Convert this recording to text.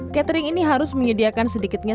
catering ini harus menyediakan sedikitnya